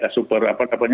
super apa namanya